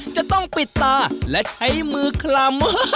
จะต้องปิดตาและใช้มือคลำ